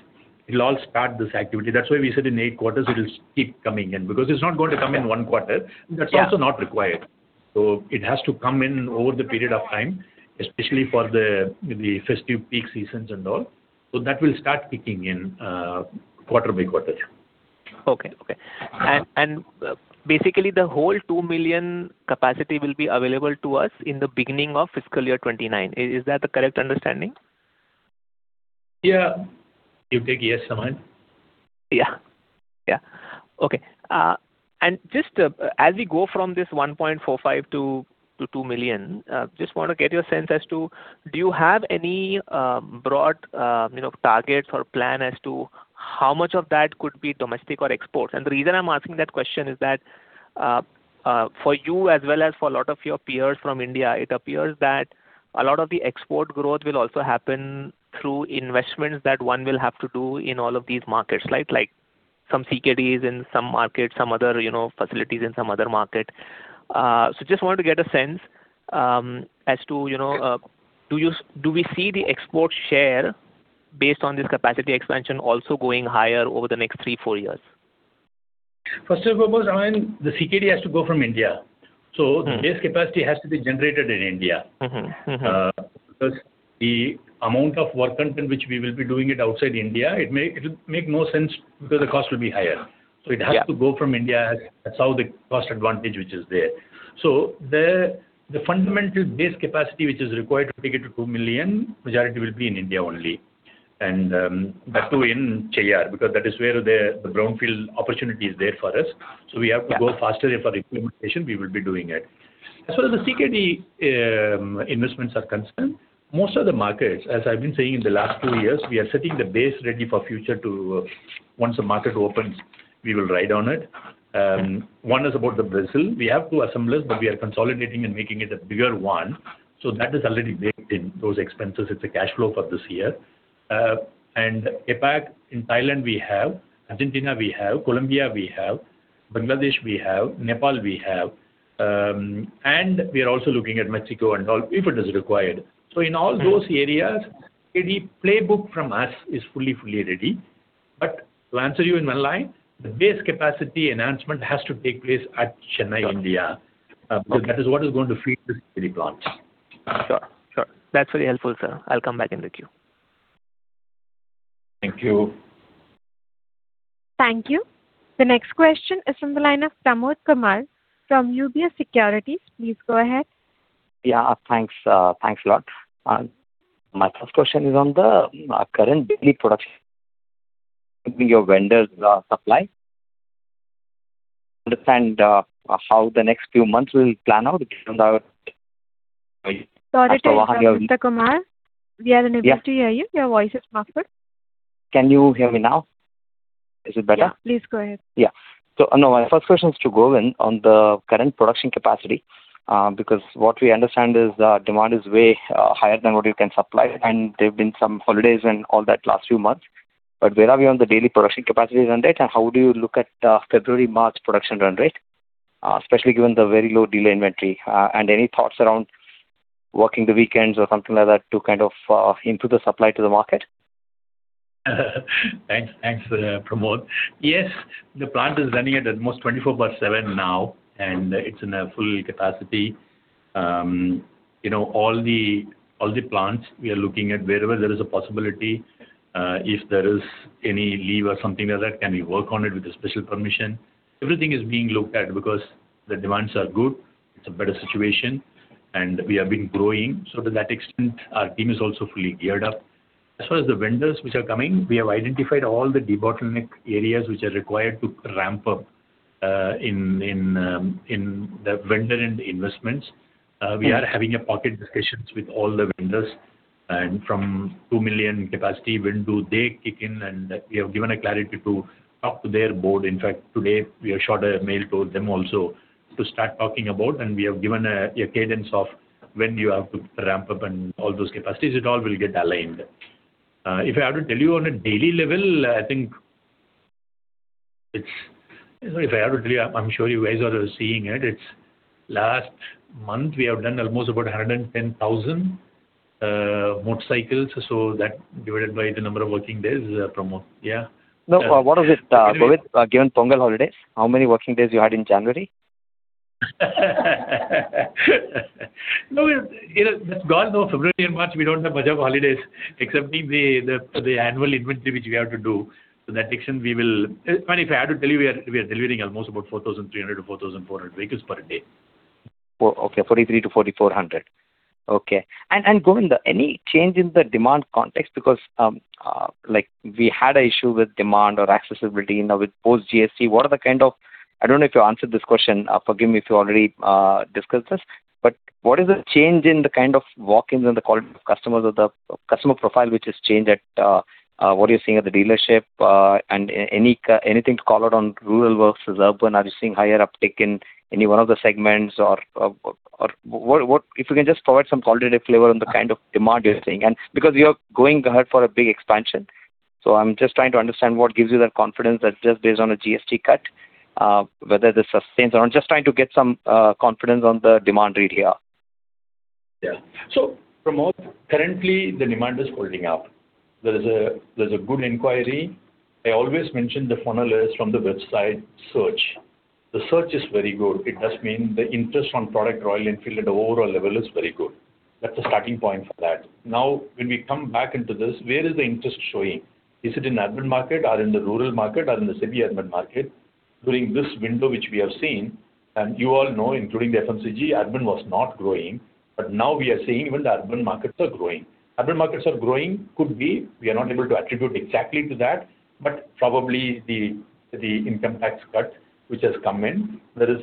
It'll all start this activity. That's why we said in eight quarters it'll keep coming in, because it's not going to come in one quarter. Yeah. That's also not required. So it has to come in over the period of time, especially for the festive peak seasons and all. So that will start kicking in, quarter-by-quarter. Okay. Okay. Basically, the whole 2 million capacity will be available to us in the beginning of fiscal year 2029. Is that the correct understanding? Yeah. You bet, yes, Amyn. Yeah. Yeah. Okay. And just, as we go from this 1.45 to 2 million, just want to get your sense as to, do you have any broad, you know, targets or plan as to how much of that could be domestic or exports? And the reason I'm asking that question is that, for you as well as for a lot of your peers from India, it appears that a lot of the export growth will also happen through investments that one will have to do in all of these markets, right? Like some CKDs in some markets, some other, you know, facilities in some other market. Just wanted to get a sense as to, you know, do we see the export share based on this capacity expansion also going higher over the next three, four years? First and foremost, Amyn, the CKD has to go from India. The base capacity has to be generated in India. Because the amount of work content which we will be doing it outside India, it will make no sense because the cost will be higher. Yeah. So it has to go from India. That's how the cost advantage, which is there. So the fundamental base capacity, which is required to take it to 2 million, majority will be in India only. And that too, in Cheyyar, because that is where the brownfield opportunity is there for us. Yeah. So we have to go faster for the implementation, we will be doing it. As far as the CKD investments are concerned, most of the markets, as I've been saying in the last two years, we are setting the base ready for future to... Once the market opens, we will ride on it. One is about Brazil. We have two assemblies, but we are consolidating and making it a bigger one, so that is already baked in those expenses. It's a cash flow for this year. And APAC, in Thailand, we have, Argentina we have, Colombia we have, Bangladesh we have, Nepal we have, and we are also looking at Mexico and all, if it is required. In all those areas, the playbook from us is fully, fully ready. To answer you in one line, the base capacity enhancement has to take place at Chennai, India. Okay. Because that is what is going to feed the city branch. Sure. Sure. That's very helpful, sir. I'll come back in the queue. Thank you. Thank you. The next question is from the line of Pramod Kumar from UBS Securities. Please go ahead. Yeah, thanks, thanks a lot. My first question is on the current daily production, your vendors, supply. Understand how the next few months will plan out around our- Sorry, Pramod Kumar, we are unable- Yeah. To hear you. Your voice is muffled. Can you hear me now? Is it better? Yeah, please go ahead. Yeah. So, now, my first question is to Govind on the current production capacity, because what we understand is the demand is way higher than what you can supply, and there have been some holidays and all that last few months. But where are we on the daily production capacities run rate, and how do you look at February, March production run rate, especially given the very low dealer inventory? And any thoughts around working the weekends or something like that to kind of improve the supply to the market? Thanks, thanks, Pramod. Yes, the plant is running at almost 24/7 now, and it's in a full capacity. You know, all the, all the plants we are looking at wherever there is a possibility, if there is any leave or something like that, can we work on it with a special permission? Everything is being looked at because the demands are good, it's a better situation, and we have been growing. So to that extent, our team is also fully geared up. As far as the vendors which are coming, we have identified all the bottleneck areas which are required to ramp up, in, in, in the vendor and investments. We are having a pocket discussions with all the vendors, and from 2 million capacity, when do they kick in, and we have given a clarity to talk to their board. In fact, today, we have shot a mail to them also to start talking about, and we have given a cadence of when you have to ramp up and all those capacities. It all will get aligned. If I have to tell you on a daily level, I think it's... If I have to tell you, I'm sure you guys are seeing it. It's last month, we have done almost about 110,000 motorcycles. So that divided by the number of working days, Pramod. Yeah? No, what is it, Govind, given Pongal holiday, how many working days you had in January? No, you know, that's gone. No, February and March, we don't have much of holidays, except the annual inventory, which we have to do. To that extent, we will... And if I had to tell you, we are, we are delivering almost about 4,300-4,400 vehicles per day. Oh, okay, 4,300-4,400. Okay. And Govind, any change in the demand context? Because, like, we had an issue with demand or accessibility. Now with post GST, what are the kind of—I don't know if you answered this question. Forgive me if you already discussed this, but what is the change in the kind of walk-ins and the quality of customers or the customer profile, which has changed at, what are you seeing at the dealership? And any, anything to call out on rural versus urban? Are you seeing higher uptake in any one of the segments or, or what, what... If you can just provide some qualitative flavor on the kind of demand you're seeing. Because you are going ahead for a big expansion, so I'm just trying to understand what gives you that confidence that just based on a GST cut, whether this sustains or not. I'm just trying to get some confidence on the demand read here. Yeah. So Pramod, currently the demand is holding up. There is a, there's a good inquiry. I always mention the funnel is from the website search. The search is very good. It does mean the interest on product Royal Enfield at the overall level is very good. That's a starting point for that. Now, when we come back into this, where is the interest showing? Is it in urban market, or in the rural market, or in the semi-urban market? During this window, which we have seen, and you all know, including the FMCG, urban was not growing, but now we are seeing even the urban markets are growing. Urban markets are growing, could be, we are not able to attribute exactly to that, but probably the income tax cut, which has come in. There is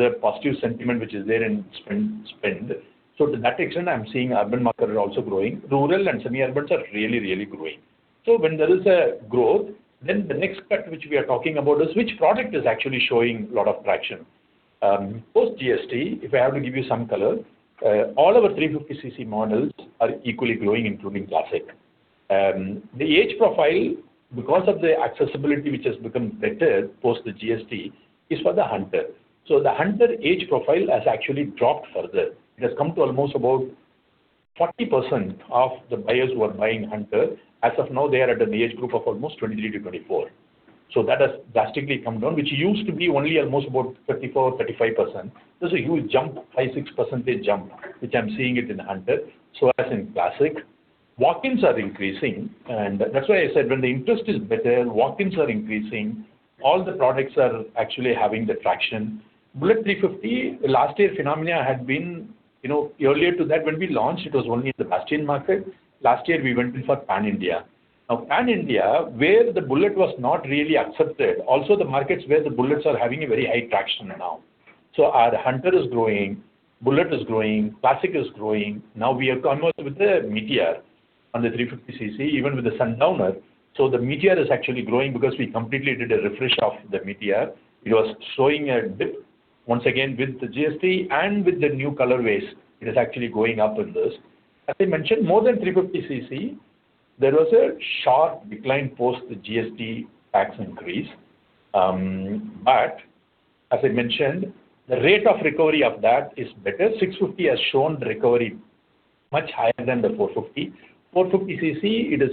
a positive sentiment which is there in spend. So to that extent, I'm seeing urban market are also growing. Rural and semi-urbans are really, really growing. So when there is a growth, then the next part which we are talking about is which product is actually showing a lot of traction? Post GST, if I have to give you some color, all our 350 cc models are equally growing, including Classic. The age profile, because of the accessibility which has become better post the GST, is for the Hunter. So the Hunter age profile has actually dropped further. It has come to almost about 40% of the buyers who are buying Hunter. As of now, they are at an age group of almost 23-24. So that has drastically come down, which used to be only almost about 34-35%. There's a huge jump, 5%-6% jump, which I'm seeing it in Hunter. So as in Classic, walk-ins are increasing, and that's why I said when the interest is better, walk-ins are increasing, all the products are actually having the traction. Bullet 350, last year phenomena had been, you know, earlier to that, when we launched, it was only in the bastion market. Last year, we went in for Pan India. Now, Pan India, where the Bullet was not really accepted, also the markets where the Bullets are having a very high traction now. So our Hunter is growing, Bullet is growing, Classic is growing. Now we have come up with the Meteor on the 350 cc, even with the Sundowner. So the Meteor is actually growing because we completely did a refresh of the Meteor. It was showing a dip. Once again, with the GST and with the new colorways, it is actually going up in this. As I mentioned, more than 350 cc, there was a sharp decline post the GST tax increase. But as I mentioned, the rate of recovery of that is better. 650 has shown recovery much higher than the 450. 450 cc, it is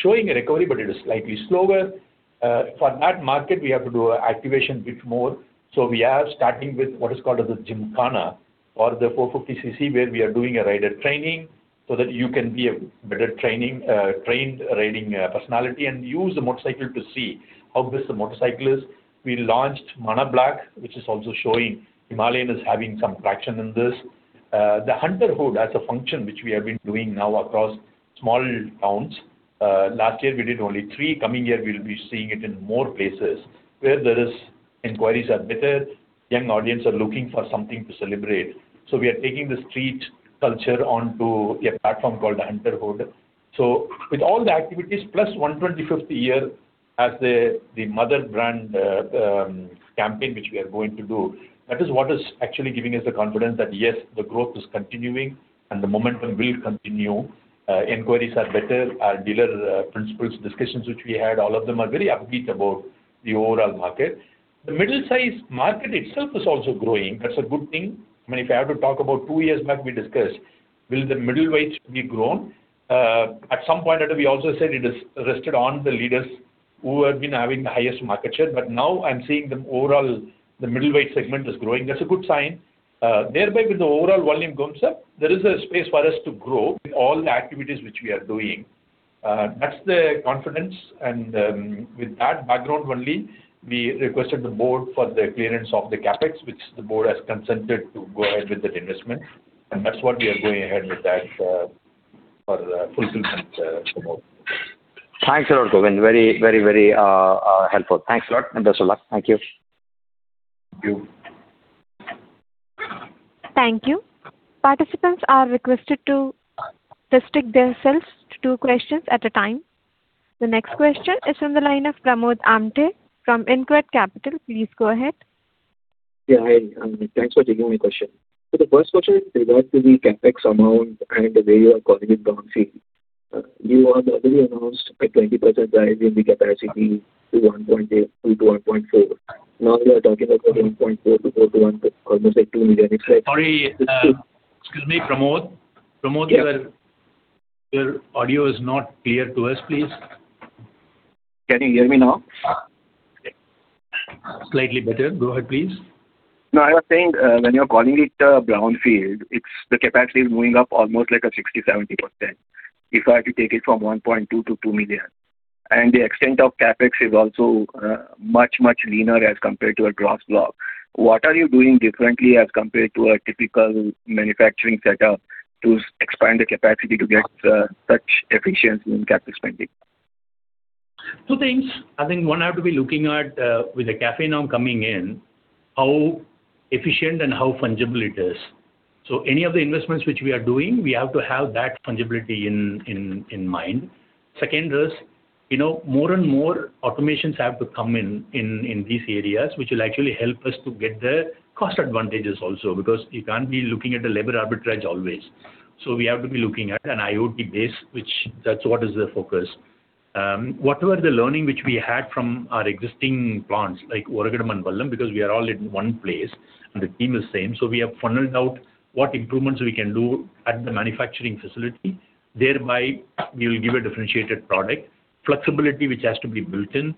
showing a recovery, but it is slightly slower. For that market, we have to do activation a bit more. So we are starting with what is called the Gymkhana or the 450 cc, where we are doing a rider training so that you can be a better trained riding personality and use the motorcycle to see how good the motorcycle is. We launched Hanle Black, which is also showing Himalayan is having some traction in this. The HunterHood as a function which we have been doing now across small towns. Last year we did only three. Coming year, we'll be seeing it in more places where there is inquiries are better, young audience are looking for something to celebrate. So we are taking the street culture onto a platform called HunterHood. So with all the activities, plus 125th year as the, the mother brand, campaign, which we are going to do, that is what is actually giving us the confidence that, yes, the growth is continuing and the momentum will continue. Inquiries are better. Our dealer principals discussions, which we had, all of them are very upbeat about the overall market. The middle size market itself is also growing. That's a good thing. I mean, if I have to talk about two years back, we discussed, will the middleweight be grown? At some point, we also said it is rested on the leaders who has been having the highest market share, but now I'm seeing the overall, the middleweight segment is growing. That's a good sign. Thereby, with the overall volume goes up, there is a space for us to grow in all the activities which we are doing. That's the confidence, and, with that background only, we requested the board for the clearance of the CapEx, which the board has consented to go ahead with that investment, and that's what we are going ahead with that, for the fulfillment, Pramod. Thanks a lot, Govind. Very, helpful. Thanks a lot, and best of luck. Thank you. Thank you. Thank you. Participants are requested to restrict themselves to two questions at a time. The next question is from the line of Pramod Amthe from InCred Capital. Please go ahead. Yeah, hi, thanks for taking my question. The first question is in regards to the CapEx amount and the way you are calling it brownfield. You all already announced a 20% rise in the capacity to 1.8 to 1.4. Now you are talking about 1.4 to 4 to 1, almost like 2 million- Sorry, excuse me, Pramod. Pramod, your- Yes. Your audio is not clear to us, please. Can you hear me now? Slightly better. Go ahead, please. Now, I was saying, when you are calling it, brownfield, it's the capacity is going up almost like a 60%-70%. If I had to take it from 1.2 million to 2 million. And the extent of CapEx is also, much, much leaner as compared to a greenfield. What are you doing differently as compared to a typical manufacturing setup to expand the capacity to get, such efficiency in CapEx spending? Two things. I think one have to be looking at, with the CAFE norms coming in, how efficient and how fungible it is. So any of the investments which we are doing, we have to have that fungibility in, in, in mind. Second is, you know, more and more automations have to come in, in, in these areas, which will actually help us to get the cost advantages also, because you can't be looking at the labor arbitrage always. So we have to be looking at an IoT base, which that's what is the focus. Whatever the learning which we had from our existing plants, like Oragadam and Vallam, because we are all in one place and the team is same, so we have funneled out what improvements we can do at the manufacturing facility. Thereby, we will give a differentiated product. Flexibility, which has to be built in,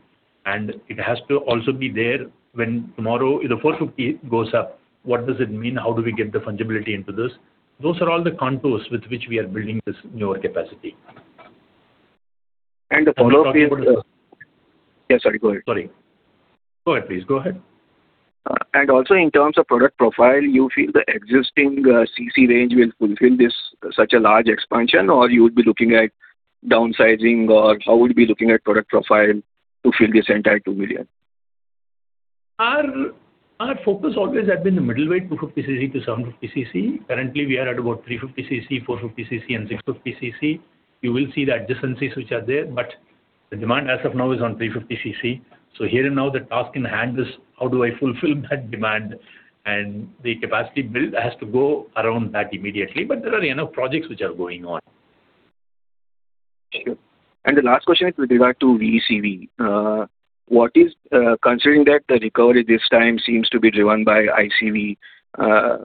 and it has to also be there when tomorrow, you know, 450 goes up, what does it mean? How do we get the fungibility into this? Those are all the contours with which we are building this newer capacity. The follow-up is... Yeah, sorry, go ahead. Sorry. Go ahead, please. Go ahead. And also in terms of product profile, you feel the existing cc range will fulfill this such a large expansion, or you would be looking at downsizing, or how would you be looking at product profile to fill this entire 2 million? Our focus always had been the middleweight, 250 cc to 750 cc. Currently, we are at about 350 cc, 450 cc, and 650 cc. You will see the adjacencies which are there, but the demand as of now is on 350 cc. So here and now, the task in hand is: How do I fulfill that demand? The capacity build has to go around that immediately. There are enough projects which are going on. Sure. The last question is with regard to VECV. Considering that the recovery this time seems to be driven by ICV,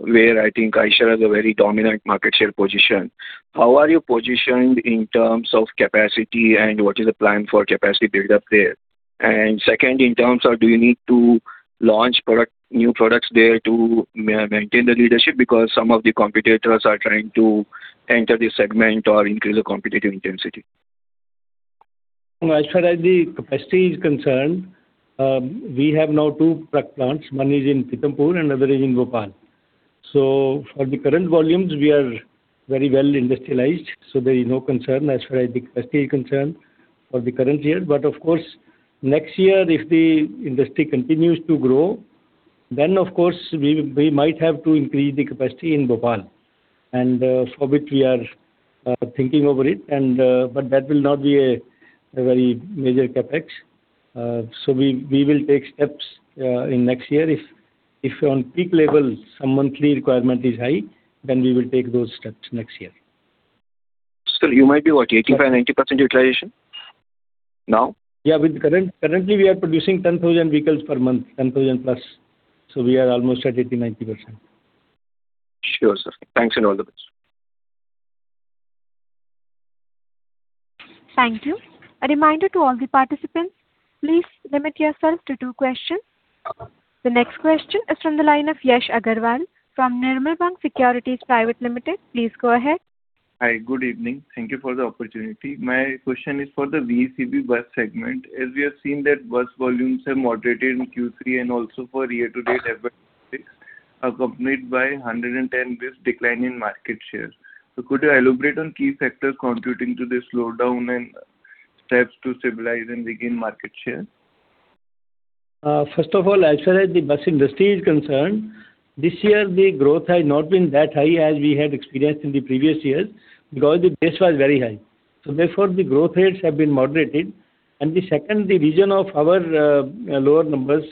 where I think Eicher has a very dominant market share position, how are you positioned in terms of capacity, and what is the plan for capacity buildup there? And second, in terms of do you need to launch product, new products there to maintain the leadership? Because some of the competitors are trying to enter the segment or increase the competitive intensity. As far as the capacity is concerned, we have now two truck plants. One is in Pithampur and another is in Bhopal. So for the current volumes, we are very well industrialized, so there is no concern as far as the capacity is concerned for the current year. But of course, next year, if the industry continues to grow, then, of course, we might have to increase the capacity in Bhopal, and for which we are thinking over it, and. But that will not be a very major CapEx. So we will take steps in next year. If on peak level, some monthly requirement is high, then we will take those steps next year. You might be what? 85%-90% utilization now? Yeah, currently we are producing 10,000 vehicles per month, 10,000+, so we are almost at 80%-90%. Sure, sir. Thanks, and all the best. Thank you. A reminder to all the participants, please limit yourself to two questions. The next question is from the line of Yash Agarwal from Nirmal Bang Securities Private Limited. Please go ahead. Hi, good evening. Thank you for the opportunity. My question is for the VECV bus segment. As we have seen that bus volumes have moderated in Q3 and also for year to date averages, accompanied by a 110 basis points decline in market share. So could you elaborate on key factors contributing to this slowdown and steps to stabilize and regain market share? First of all, as far as the bus industry is concerned, this year the growth has not been that high as we had experienced in the previous years because the base was very high. So therefore, the growth rates have been moderated. And the second, the reason of our lower numbers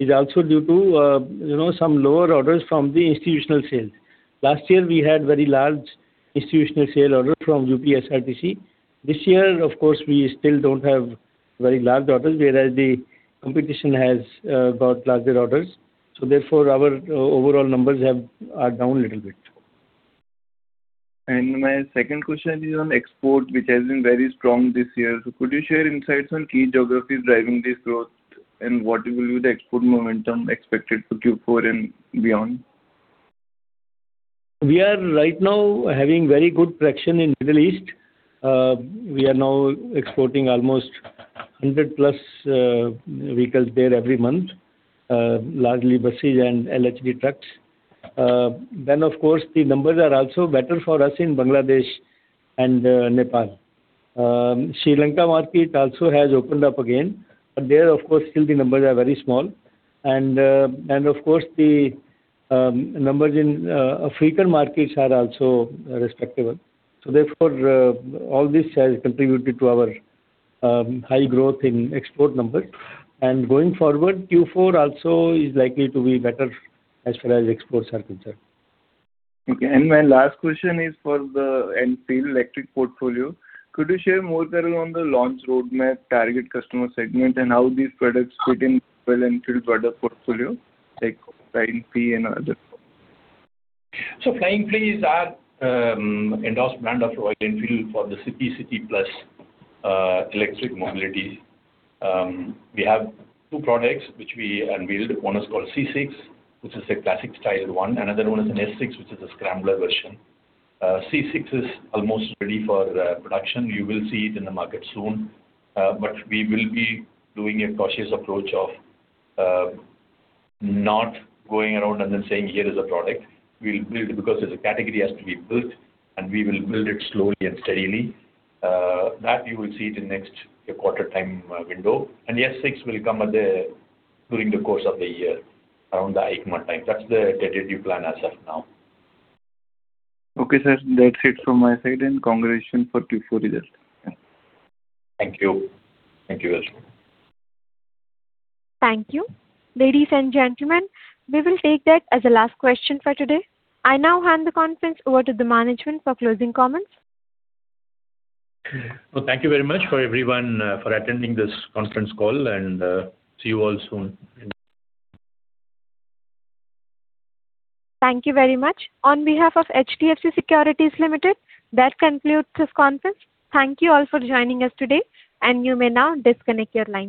is also due to you know, some lower orders from the institutional sales. Last year, we had very large institutional sale order from UPSRTC. This year, of course, we still don't have very large orders, whereas the competition has got larger orders. So therefore, our overall numbers are down a little bit. My second question is on export, which has been very strong this year. Could you share insights on key geographies driving this growth, and what will be the export momentum expected for Q4 and beyond? We are right now having very good traction in Middle East. We are now exporting almost 100+ vehicles there every month, largely buses and LHD trucks. Then, of course, the numbers are also better for us in Bangladesh and Nepal. Sri Lanka market also has opened up again, but there, of course, still the numbers are very small. And, and of course, the numbers in African markets are also respectable. So therefore, all this has contributed to our high growth in export numbers. And going forward, Q4 also is likely to be better as far as exports are concerned. Okay, and my last question is for the Enfield electric portfolio. Could you share more detail on the launch roadmap, target customer segment, and how these products fit in well into the broader portfolio, like Flying Flea and others? So Flying Flea is our endorsed brand of Royal Enfield for the city, city plus electric mobility. We have two products which we unveiled. One is called C6, which is a classic style one. Another one is an S6, which is a scrambler version. C6 is almost ready for production. You will see it in the market soon. But we will be doing a cautious approach of not going around and then saying, "Here is a product." We'll build it because as a category it has to be built, and we will build it slowly and steadily. That you will see it in next quarter time window. And the S6 will come at the during the course of the year, around the EICMA time. That's the tentative plan as of now. Okay, sir. That's it from my side, and congratulations for Q4 results. Thank you. Thank you very much. Thank you. Ladies and gentlemen, we will take that as the last question for today. I now hand the conference over to the management for closing comments. Well, thank you very much for everyone for attending this conference call, and see you all soon. Thank you very much. On behalf of HDFC Securities Limited, that concludes this conference. Thank you all for joining us today, and you may now disconnect your lines.